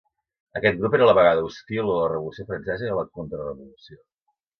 Aquest grup era a la vegada hostil a la Revolució francesa i a la contrarevolució.